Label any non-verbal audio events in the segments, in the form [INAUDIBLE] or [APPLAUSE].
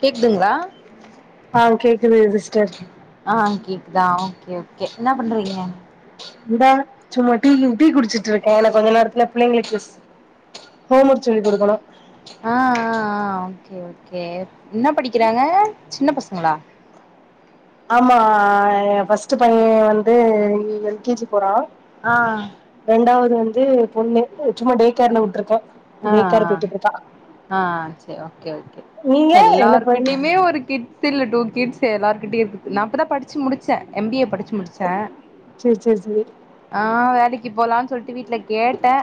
கேக்குதுங்களா ஆ கேக்குது சிஸ்டர் ஆ கேக்குதா ஓக்கே ஓக்கே என்ன பண்றீங்க இந்தா சும்மா டீ டீ குடிச்சிட்டு இருக்கே இன்ன கொஞ்சு நேரத்துல பிள்ளைங்களுக்கு ஹோம் ஒர்க் சொல்லி கொடுக்கணு ஆ ஆ ஆ ஓகே ஓகே என்ன படிக்கிறாங்க சின்ன பசங்களா ஆமா எ ஃபஸ்ட் பையன் வந்து எல் கே ஜி போறா ஆ ரெண்டாவது வந்து பொண்ணு சும்மா டே கேர்ல விட்ருக்கே ஆ ஆ ஆ சரி ஓகே ஓகே நீங்க என்ன பண் எல்லார்கிட்டயுமே ஒரு கிட் இல்ல டூ கிட்ஸ் எல்லார்கிட்டையு இருக்கு நா அப்போ தா படிச்சு முடிச்சே எம் பி ஏ படிச்சு முடிச்சே சேர் சேர் சேரி ஆ வேலைக்கு போலான்னு சொல்லிட்டு வீட்டுல கேட்டே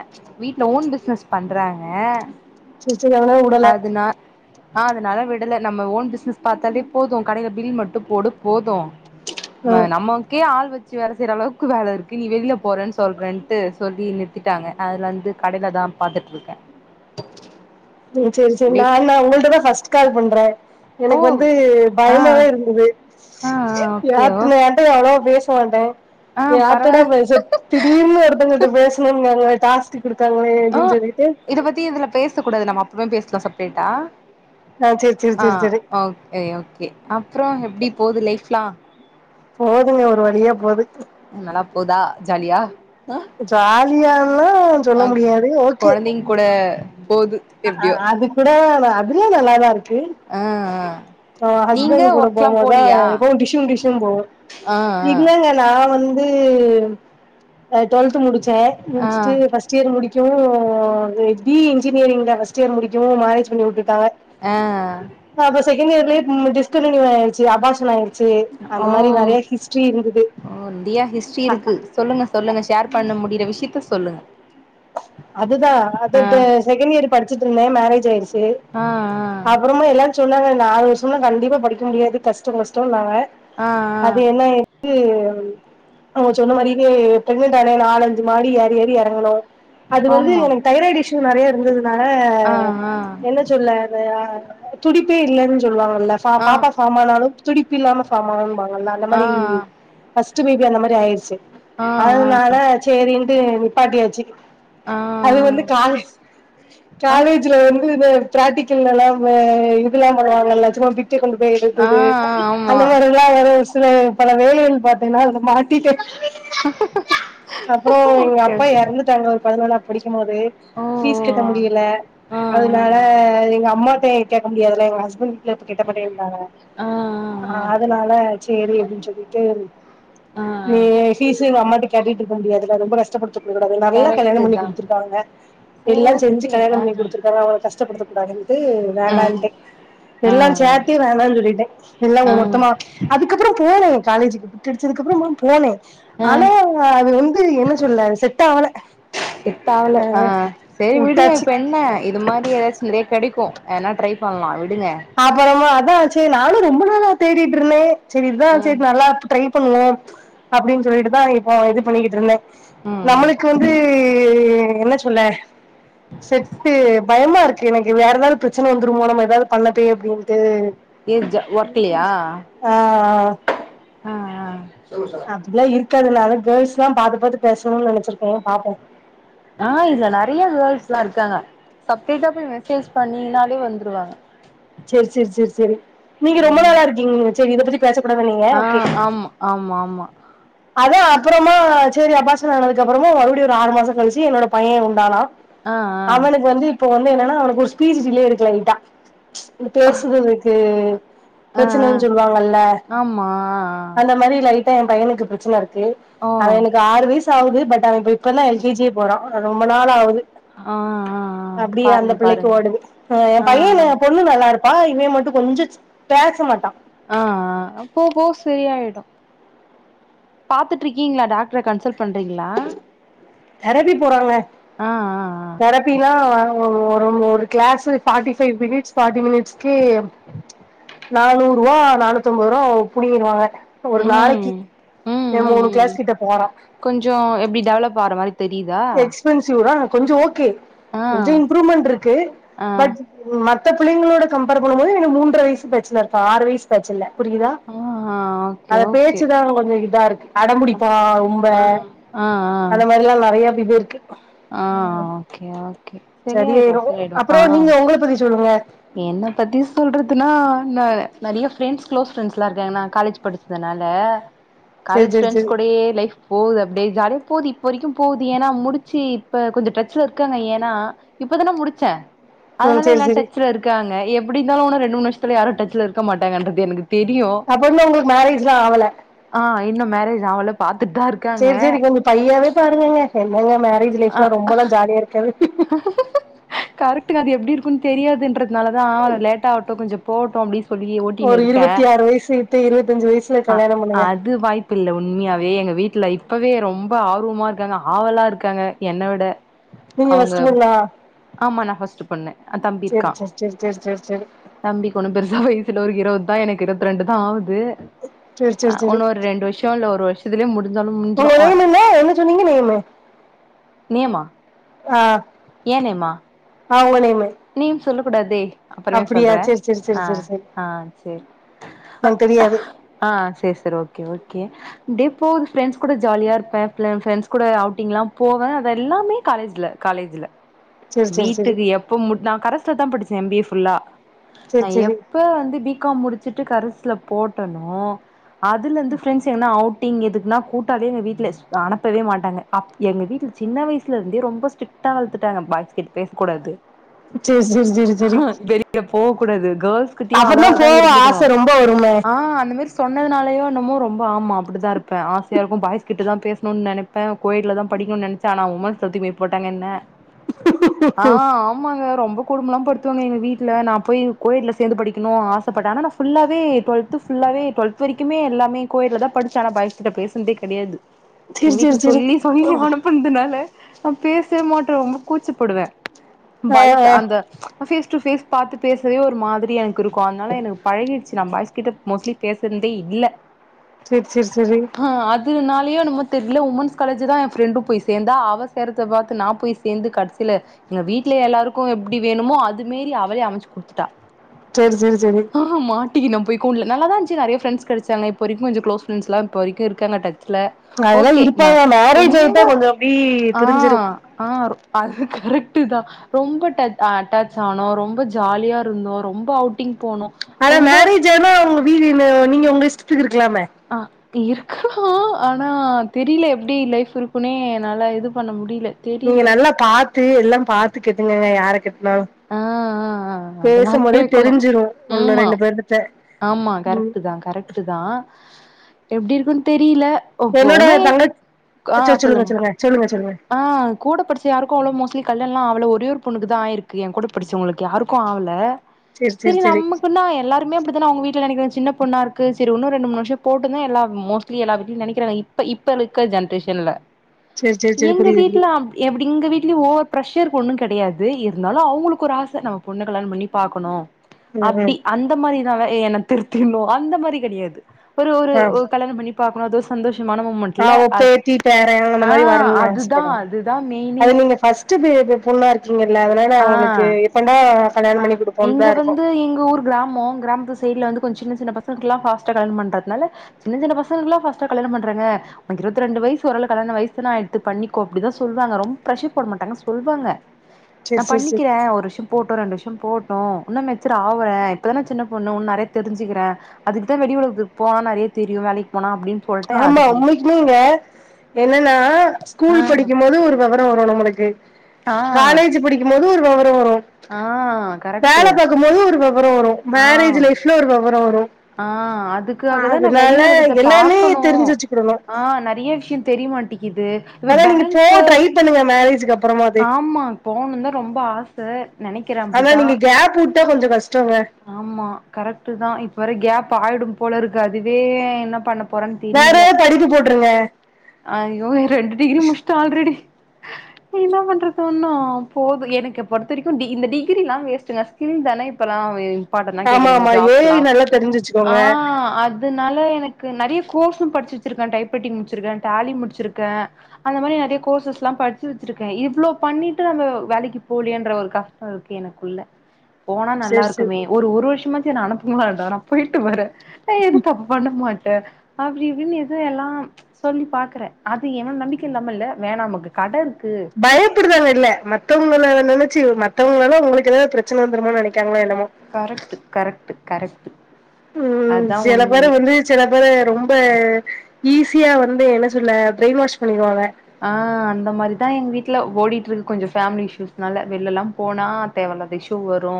வீட்ல ஓன் பிசினஸ் பண்றாங்க செர் செரியங்க அதுனா ஆ அதனால விடல நம்ம ஓன் பிஸ்னஸ் பாத்தாலே போது கடையில பில் மட்டும் போடு போது ம ம் நம்மக்கே ஆள் வச்சு ச்சு வேல செய்ற அளவுக்கு வேல இருக்கு நீ வெளியில போறேன்னு சொல்றேன்ட்டு சொல்லி நிறுத்திட்டாங்க அதுலருந்து கடையில் தான்ப் பாத்துட்ருக்கே செரி செரி செரி டே நான்னா உங்கள்ட தா ஃபர்ஸ்ட் கால் பண்றே ஓ எனக்கு வந்து ஆ பயமா தா இருந்தது ஆ ஆ ஓகே ஓ யார்ட நான் டே அவ்ளவோ பேச மாட்டே ஆ பரவா யார்ட்டடா பேசர்த் திடீர்னு ஒருத்தவங்கிட்ட பேசணும்னாங்க டாஸ்க் குடுத்தாங்களே ஆ அப்படின்னு சொல்லிட்டு இத பத்தி இதுல பேசக் கூடாது நம்ம அப்றமா பேசலா செப்ரேட்டா ஆ சேரி சேரி ஆ சேரி சேரி ஓகே செரி ஓகே அப்புறம் எப்படி போகுது லைஃப்லா போதுங்க ஒரு வழியா போது நல்லதா போதா ஜாலியா ஜாலியால்லா சொல்ல அ முடியாது ஓகே கொழந்தைங்க கூட போது அஅ எப்டியோ அது கூட நா அதுவு நல்லாதா இருக்கு ஆ ஆ அ நீங்க ஹஸ்பண்ட் கூட ஒர்க்லா போம்போதா போலியா எப்பயு டிஷும் டிஷும் போவோ ஆ ஆ இல்லங்க நா வந்து நா அ டுவெல்த்து முடிச்சே ஆ முடிச்சுட்டு ஃபஸ் ட் இயர் முடிக்கவு பி இ இன்ஜினியரிங்தா ஃபர்ஸ்ட் இயர் முடிக்கவு மேரேஜ் பண்ணி விட்டுட்டாங்க ஆ அப்ப செகண்ட் இயர்லயே ம் டிஸ்கன்டினியூ ஆயிருச்சு அபாஷன் ஆயிருச் சேர் ஓ அந்த மாரி நெறைய ஹிஸ்டரி இருந்தது ஓ இந்தியா ஹிஸ்ரி இருக்கு சொல்லுங்க சொல்லுங்க ஷேர் பண்ண முடியிற விஷயத்த சொல்லுங்க அதுதா அத ஆ ப செகண்ட் இயர் படிச்சிட்ருந்தே மேரேஜ் ஆயிருச்சு ஆ அப்புறமு எல்லா சொன்னாங்க நாலு வருஷம்னா கண்டிப்பா படிக்க முடியாது கஷ்டம் கஷ்டம்னாங்க ஆ ஆ அது என்ன எத் து அவங்க சொன்ன மாரிவே ப்ரெக்னன்ட்டானே நாலஞ்சு மாடி ஏறி ஏறி எறங்கணு அது ஆ வந்து ஆமா எனக்கு தைராய்டு இஸ்யூ நெறைய இருந்ததுனால ஆ ஆ என்னஸ் சொல்ல அதயா துடிப்பே இல்லைன்னு சொல்லுவாங்கல்ல ஃப ஆ பாப்பாஸ் ஃபாமானாலு துடிப்பு இல்லாம ஃபாமாவும்பாங்கல அந்த ஆ ஆ மாரி ஃபஸ்ட்டு பேபி அந்த மாரி ஆயிடுச்சு அதனால சேரின்ட்டு நிப்பாட்டியாச்சு ஆ ஆ அது வந்து காலே ஆ காலேஜ்ல வந்து [UNINTELLIGIBLE] பிராக்ட எல்லாவே இதெல்லா பண்ணுவாங்கல்ல சும்மா பிட்டு கொண்டு போய் ஆ எழுதுது ஆமா அந்த மாரி வேற ஒரு சில பல வேலைகள் பாத்தீங்கன்னா அத மாட்டிடே தா அப்புறம் எங்க ஓகே அப்பா ஓகே இறந்துட்டாங்க ஒரு பதினொ படிக்கும் போது ஓ பீஸ் ஓ கட்ட முடியல ஆ அதனால ஆ ஆ எங்க அம்மாட கேக்க முடியாதுல எங்க ஹஸ்பண் கேட்ட மாட்டேன்டாங்க ஆ அதனால சேரி அப்படின்னு சொல்லிட்டு ஆ ஆ நீ பீஸுனு அம்மாட்ட கேட்டட்டு இருக்க முடியாதுல ரொம்ப கஷ்டப்படுத்தக் கூடாது நல்ல கல்யாணம் கரெக்ட்டு பண்ணி தா கொடுத்துருக்காங்க சேரி எல்லா செஞ்சு ஓகே கல்யாணம் ஆ பண்ணி குடுத்துருக்காங்க அவள கஷ்டப்படுத்த கூடாதங்ட்டு ஆ வேணாம்ன்டே ஆ எல்லாம் சேர்த்தே வேணானு சொல்லிட்டே எல்லாம் ஆ மொத்தமா அதுக்கப்புறம் போனோம் காலேஜ் கேடச்சதுக்கு அப்புறமா போனே ஆ ஆனா அது வந்து என்ன சொல்ல செட் ஆகல செட் ஆகல ஆ செரி விட்டாச்சு வீடுங்கப்ப என்ன இது மாரி ஏதாச்சு நிறைய கிடைக்கும் ஏனா ட்ரை பண்ணலா விடுங்க அப்புறமா அதா ஆச்சே நானு ரொம்ப நாளா தேடிட்டு இருந்தே சேரி இதா ஆச்சே ம் நல்லா ட்ரை பண்ணுவோம் அப்படின்னு சொல்லிட்டுதா இப்போ இது பண்ணிக்கிட்டு இருந்தே ம் ம் நம்மளுக்கு வந்து என்ன சொல்ல செட்டு பயமா இருக்கு எனக்கு வேற ஏதாவது பிரச்சன வந்துருமோ நம்ம ஏதாவ பண்ண போய் அப்படின்ட்டு ஏ ஜ ஒர்க்லயா ஆ ஆ ஆ இல்ல இருக்காது அதா கேர்ள்ஸ் எல்லாம் பாத்து பாத்து பேசணும்னு நினைசிருக்கே பாப்போம் ஆ இதுல்ல நிறைய கேர்ள்ஸ் எல்லாம் இருக்காங்க சப்ரேட்டா போய் மெசேஜ் பண்ணினாலே வந்துருவாங்க சேரி சேரி சேரி சரி நீங்க ரொம்ப ம் நாளா இருக்கீங் சேரி இத பத்தி பேச கூடாது நீங்க ஆ ஓகே ஆம் ஆமா ஆமா அதா அப்புறமா சரி அப்பாசன் ஆனதுக்கு அப்புறமும் மறுபடியும் ஒரு ஆறு மாசம் கழிச்சு என்னோட பையன் உண்டானா ஆ ஆ அவனுக்கு வந்து இப்ப வந்து என்னன்னா அவனுக்கு ஒரு ஸ்பீச் டிலே இருக்கு லைட்டா பேசுறதுக்கு ஆ ஆ பிரச்சனைன்னு சொல்லுவாங்கல்ல ஆமா அந்த மாதிரி லைட்டா எ பையனுக்கு பிரச்சன இருக்கு ஓ ஆனா எனக்கு ஆறு வயசு ஆவுது பட் அவ இப்ப இப்பதா எல் கே ஜி போறா ரொம்ப நாள் ஆகுது ஆ ஆ ஆ அப்படியே அந்த பாருங்க பிள்ளைக்கு பாருங்க ஓடுது எ ஆ பையன் போ பொண்ணு நல்லா இருப்பா இவன் மட்டும் கொஞ்சம் பேச மாட்டா ஆ ஆ போ போ சரியாயிடும் பாத்துட்டு இருக்கீங்களா டாக்டர கன்சல் பண்றீங்களா தெரப்பி போறாங்க ஆ ஆ ஆ தெரப் ப்பின்னா ஒரு ஒரு class forty five minutes forty மினிட்ஸ்கே நானூறு ரூபா நானூத்தி அம்பது ரூபா புடுகிடு வாங்க ஒரு ம் நாளைக்கு எ மூணு கிளாஸ் கிட்ட போறா கொஞ்ச எப்படி டெவலப் ஆற மாரி தெரியுதா எக்ஸ்பென்சிவ் தா கொஞ்ச ஓகே ஆ கொஞ்ச இம்ப்ரூவ்மெண்ட் இருக்கு ஆ பட் மத்த பிள்ளைங்களோட கம்பர் பண்ணும் போது இவனுக்கு மூன்ற வயசு பிரச்சன இருக்க ஆறு வயசு வச்சல்ல புரியுதா ஆ ஆ ஓகே அத ஓகே பேச்சுதா கொஞ்ச இதா இருக்கு அடம்புடிப்பா ஆ அ ஆ அதுலா நிறையா இப்படி போயிருக்கு ஆ ஓகே ஓகே சரியா ஆயிடும் சரியாயிரு சரி ஆயிடும் அப்புறோ ஆ நீங்க உங்கள பத்தி சொல்லுங்க என்னை பத்தி சொல்றதுன்னா நிறைய ஃப்ரெண்ட்ஸ் க்ளோஸ் ஃப்ரெண்ட்ஸ்ல்லா இருக்காங்க நா காலேஜ் படிச்சதுனால சேரி காலேஜ் சேரி ஃப்ரெண்ட்ஸ் சேரி கூடயே லைஃப் போகுது அப்டியே ஜாலியா போது இப்ப வரைக்கும் போது ஏன்னா முடிச் சி இப்ப கொஞ்ச டச்ல இருக்காங்க ஏன்னா இப்பதான முடிச்சே ம் அதனால சேரி எல்லா சேரி டச்ல இருக்காங்க எப்டி இருந்தாலு ஒன்னு ரெண்டு மூணு வருஷத்துல யாரு டச்சுல இருக்கமாட்டாங்கன்றது எனக்கு தெரியு அப்போவுமே உங்களுக்கு மேரேஜ் எல்லா ஆவல ஆ இன்னும் மேரேஜ் ஆவல பாத்துட்டு தா இருக்காங்க சேரி சேரி கொஞ்சோ பையாவே பாருங்கங்க என்னங்க மேரேஜ் லைஃப்லா ரொம்பல்லா ஜாலியா இருக்காது கரெக்டுங்க அது எப்டி இருக்குன்னு தெரியாதுன்றதுனால தா அது லேட்டாவட்டு கொஞ்ச போவட்டு அப்டின்னு சொல்லி ஓட்டினு ஒரு இருக்கே இருவத்தி ஆறு வயசு விட்டு இருவத்தஞ்சு வயசுல ஆ கல்யாணம் பண்ணுங்க அது வாய்ப் பில்ல உண்மையாவே எங்க வீட்டல இப்பவே ரொம்ப ஆர்வமா இருக்காங்க ஆவலா இருக்காங்க என்ன விட நீங்க அவுங்க ஃபர்ஸ்ட் பொண்ணா ஆமா நா ஃபஸ்ட்டு பொண்ணு ஆ தம்பி சேரி இருக்கா சேரி சேரி சேரி சேரி தம்பிக்கு ஒன்னு பெருசா வயசுல ஒரு இருவது தா எனக்கு இருவத்தி ரெண்டு தா ஆவுது சேரி ஆ சேரி சேரி சேரி உன்னு ஒரு ரெண்டு வருஷ இல்ல ஒரு வருஷத்துலயே முடிஞ்சாலு முடிஞ்சிடு உங்க ஆ நேம் என்ன என்ன சொன்னீங்க நேமு நேம்மா ஆ ஏ நேமா ஆ உங்க நேமு நேம் சொல்லக்கூடாதே அப்பறமே சொல்ற அப்டியா சேரி சேரி சேரி ஆ சேரி சேரி ஆ சேரி எனக்கு தெரியாது ஆ சேரி சேரி ஓகே ஓகே அப்டே போவுது ஃப்ரெண்ட்ஸ் கூட ஜாலியா இருப்ப புள ஃபிரண்ட்ஸ் கூட அவுட்டிங் எல்லா போவ அது எல்லாமே காலேஜ்ல காலேஜ்ல சேரி சேரி சேரி வீட்டுக்கு எப்ப முட் நா கரஸ்ல தா படிச்சே எம் பி ஏ ஃபுல்லா சேரி நா சேரி எப் ப வந்து பி காம் முடிச்சட்டு கரஸ்ல போட்டேனோ அதுல இருந்து ஃபிரண்ட்ஸ் எங்கனா அவுட் டிங் எதுக்குன்னா கூட்டாலே எங்க வீட்ல அனுப்பவே மாட்டாங்க அப் எங்க வீட்ல சின்ன வயசுல இருந்தே ரொம்ப ஸ்டிட் டா வளத்துட்டாங்க பாய்ஸ்க்கிட் பேசக் கூடாது சேரி சேரி சேரி சேரி வெளிய போக் கூடாது கேர்ள்ஸ் கிட்டியு அப்புறம் அளவாதா போக இருந்துக்கணு ஆசை ரொம்ப வருமே ஆ அந்த மேரி சொன்னதுனாலயோ என்னமோ ரொம்ப ஆமா அப்டிதா இருப்ப ஆசையா இருக்கு பாய்ஸ்க்கிட்ட தான் பேசணும்னு நெனப் ப்ப கோ எட்ல தா படிக்கணுன்னு நெனைச்ச ஆனா உமன்ஸ்ல தூக்கி போய் போட்டாங்க என்ன ஆ ஆமாங்க ரொம்ப கொடும எல்லா படுத்துவாங்க எங்க வீட்ல நா போய் கோ எட்ல சேந்து படிக்கணு ஆசப்பட்ட ஆனா நா ஃபுல்லாவே டுவெல்த் டுவெல்த்து ஃபுல்லாவ டுவெல்த்து வரைக்குமே எல்லாமே கோ எட்ல தா படிச்ச ஆனா பாய்ஸ்க்கிட்ட பேசுனதே கெடையாது சரி எங்க சரி வீட்ல சரி சொல்லி சொல்லி அனுப்புனதுனால நா பேசவே மாட்ட ரொம்ப கூச்சப்படுவ ஆ, பாய்ஸ் ஆ. அந்த ஃபேஸ் டு ஃபேஸ் பாத்து பேசவே ஒரு மாதிரி எனக் இருக்கு அதனால எனக்கு பழகிடுச்சு நா பாய்ஸ்கிட்ட மோஸ்ட்லி பேசுனதே இல்ல செர் செர் சேரி ஆ அதுனாலயோ என்னமோ தெர்ல உமன்ஸ் காலேஜு தா ஏ ஃப்ரெண்டு போய் சேந்தா அவ சேர்றத பாத்து நா போய் சேந்து கடைசில எங்க வீட்லேயே எல்லாருக்கு எப்டி வேணுமோ அது மேரி அவளே அமச்சு குடுத்துட்டா செர் செர் சேரி ஆ ஹ மாட்டிக்கின போய் கூண்ட்ல நல்லா தா இருந்துச்சு நெறைய ஃபிரண்ட்ஸ் கெடச்சாங்க இப்போரைக்கு கொஞ்ச க்ளோஸ் ஃப்ரெண்ட்ஸ்லா இப்ப வரைக்கும் இருக்காங்க டச்ல அதெல்லாம் ஓகே ந இருப்பாங்க மேரேஜ் ரொம்ப ஆயிட்டா கொஞ்சம் அப்படி ஆ பிரிஞ்சிரும் ஆ அது கரெக்ட்டு தா ரொம்ப ஞச் அட்டாச் ஆனோ ரொம்ப ஜாலியா இருந்தோ ரொம்ப அவுட் டிங் போனோ ரொம்ப ஏன்னா உங்க வீடு நீ நீங்க உங்க இஷ்டத்துக்கு இருக்கலாமே ஆ இருக்கு ஆனா தெரியில எப்டி லைஃப் இருக்குன்னே என்னாலே இது பண்ண முடியல நீங்க நல்லா பாத்து எல்லா பாத்து கெட்டுங்கங்க யார கெட்டனாலு ஆ ஆ ஆ அதெல்லா பேசும்போதே கேக்கணு தெரிஞ்சிரு ஒன்னு ம்மா ரெண்டு பேர்கிட்ட ஆமா ம். கரெக்ட்டு தா கரெக்டு தா எப்படி இருக்குன்னு தெரியல ஓ என்னோட போனேயே தங்க ஆ சரி சொல்லுங்க சொல்லுங்க சொல்லுங்க ஆ கூடப்படிச்ச யாருக்கு அவ்ளோ மோஸ்லி கல்யாணோல்லா ஆவல ஒரே ஒரு பொண்ணுக்கு தா ஆயிருக்கு ஏங் கூட படிச்சவங்களுக்கு யாருக்கு கோ அவல சரி நம்மக்குன்னா எல்லாரு அப்படிதன்னா அவுங்க வீட்ல நெனக்கிறாங்க சின்ன பொண்ணா இருக்கு செரி இன்னு ரெண்டு மூன்னு வருஷோ போட்டுன்தா மோஸ்லி எல்லா வீட்லயு நெனைக்கிறாங்க இப்ப இலுக்க ஜென்ரேஷன்ல சரி சரி சரி எங்க புரியுது வீட்ல புரியுது அப் எப்டி எங்க வீட்லயு ஒவ்வொரு பிரெஷ்ரு ஒண்ணு கெடையாது இருந்தாலு அவங்களுக்கு ஒரு ஆச நம்ம பொண்ணு கல்யாணம் பண்ணி பாக்கணு ம், அப்டி ம். அந்த மாரிதா என்னை திருத்தினு அந்த மாரி கெடையாது ஒரு ஒரு ஆ கல்யாண பண்ணி பாக்கணு அதோர் சந்தோஷமான ஆ, மூமெண்ட்ல உன் அ பேத்தி பேரன் அந்த ஆ மாதிரி வரணும்னு அதுதா அதுதா மெயினே பஸ்ட் பெரியப்போ பொண்ணா இருக்கீங்கல்ல அதுனால ஆ அவுங்களுக்கு எப்பனா கல்யாண ஆ பண்ணி கூடுப்போன்னு தா இங்க இருக்கு வந்து எங்க ஊர் கிராமோ கிராமத் சைடுல வந்து கொஞ்சு சின்ன சின்ன பசங்களுக்குலா ஃபாஸ்டா கல்யணம் பண்றதுனால சின்ன சின்ன பசங்கலுக் எல்லா ஃபாஸ்டா கல்யாண பண்றாங்க அப்போ இருபத்தி ரெண்டு வயிசு ஓரளவு கல்யாண வயிசுதன ஆயிடுத்து பண்ணிக்கோ அப்படி தா சொல்லுவாங்க ரொம்ப பிரஷ்ஷர் போட மாட்டாங்க சொல்லுவாங்க நா சேரி சேரி சேரி பண்ணிக்கிறே ஒரு வருஷோ போட்டு ரெண்டு விருஷோ போட்டு இன்னு மெச்சூர் ஆவுர இப்பதானே சின்ன பொண்ணு உன்னு நெறைய தெரிஞ்சுக்கிறே அதுக்கு தா வெளி உலகத்துக் போனா நெறைய தெரியு வேலைக்கு போனா அப்டின்னு சொல்ட்டு ஆமா அதுக்கு உண்மைக்குமேங்க என்னன்னா ஆ ஸ்கூல் படிக்கும் போது ஒரு வெவரோ வரு நம்மளுக்கு ஆ காலேஜ் படிக்கும் போது ஒரு வெவரம் வரு ஆ வேல கரெக்ட்டு பாக்கும்போது ஒரு வெவரோ வரு மேரேஜ் ஆ லைஃப்ல ஒரு வெவரோ வரு ஆ அதுக்காக தா நா வெளி அதனால உலகத்த எல்லாமே பாக்கணு உம் தெரிஞ்சு வச்சுக்கிடணு ஆ நெறைய விஷியோ தெரிய மாட்டேங்கிது இது ஆனா நீங்க போ பேங்க்கு ட்ரை பண்ணுங்க மேரேஜ்க்கு அப்புறமாது ஆமா போணுனு தா ரொம்ப ஆச நெனைக் ஆனா நீங்க கேப் உட்டா கொஞ்சு கஷ்டங்க ஆமா கரெக்டு தா இப்ப வேற கேப் ஆயிடும் போல இருக்கு அதுவே என்ன பண்ணப் வேற படிப்பு போட்டுருங்க ஐயோ ரெண்டு டிகிரி முடிச்சிடு ஆல்ரெடி என்ன பண்றது இன்னு போது எனக்கு பொறுத்த வரைக்கு இந்த டிகிரிலா வேஸ்ட்டுங்க ஸ்கில் தானே இப்பல்லா பாட்ட தான் கேக்கதுங்க ஜாப்லா தெரிஞ்சிச்சு ஆ அத் அதுனால எனக்கு நெறையா கோர்ஸு படிச்சு வச்சிருக்கே டைப் ரேட்டிங் முடிச்சிருக்கே டேலி முடிச்சிருக்கே அந்த மாரி நெறையா கோர்சஸ் எல்லா படிச்சு வச்சிருக்கே இவ்ளோ பண்ணிட்டு நம்ம வேலைக்கு போலன்ற ஒரு கஷ் இருக்கு எனக்குள்ள போனா நல்லா சேரி சேரி இருக்குமே ஒரு வருஷமாச்சு என்ன அனுப்புங்கம்மா இருந்தா நா போயிட்டு வரே எதுவு தப்பு பண்ண மாட்டே அப்டி இப்டின்னு எது எல்லா சொல்லி பாக்குறே அது ஏனா நம்பிக்கை இல்லாம இல்ல வேணா நமக்கு கடை இருக்கு பயப்படுறாங்க இல்ல மத்தவங்களல நெனச்சு மத்தவங்களால உங்களுக்கு ஏதாவுது பிரச்சனை வந்துருமனு நினைக்காங்களோ என்னமோ கரேக்ட்டு கரெக்ட்டு கரெக்ட்டு அதா உண்மையே செல பேரு ரொம்ப ஈஸியா வந்து என்ன சொல்ல ப்பிரெயின் வாஷ் பண்ணிருவாங்க ஆ அந்த மாரிதா எங்க வீட்ல ஓடிட்டு இருக்கு கொஞ்ச ஃபேமிலி இஷ்யூஸ்னால வெள்லல்லா போனா தேவ இல்லாத இஷூ வரு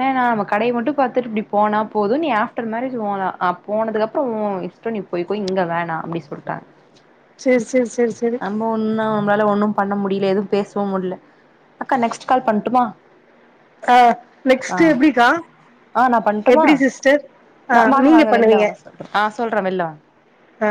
வேணா நம்ம கடை மட்டு பாத்துட்டு இப்டி போனா போது நீ ஆப்டர் மேரேஜ் ஒ அ போனதுக்கு அப்றோ ஒ இஸ்டோ நீ போய்கோ இங்க வேணா அப்டினு சொல்லிட்டாங்க சேரி சேரி சேரி செரி ஒன்னு நம்மளால ஒண்ணு பண்ண முடில எதுவு பேசவு முடில அக்கா நெக்ஸ்ட் கால் பண்ணட்டுமா ஆ நெக்ஸ்ட் எப்டிக்கா ஆ நு பண்ணட்டோமா எப்டி சிஸ்டர் ஆ வா வாங்க நீங்க வாங்க வெளில பண்ணுவீங்க வாங்க சொல்றே ஆ சொல்றே வெளில வாங்க ஆ